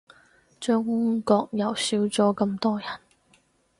中國又少咗咁多人